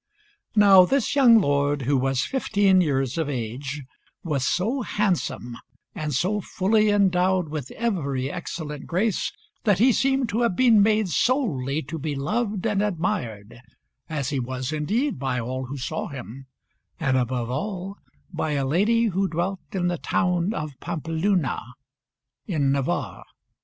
Now this young lord, who was fifteen years of age, was so handsome and so fully endowed with every excellent grace that he seemed to have been made solely to be loved and admired, as he was indeed by all who saw him, and above all by a lady who dwelt in the town of Pampeluna (2) in Navarre.